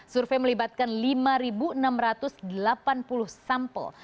survei melibatkan lima enam ratus delapan puluh sampel